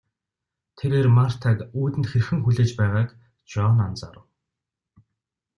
Тэрээр Мартаг үүдэнд хэрхэн хүлээж байгааг Жон анзаарав.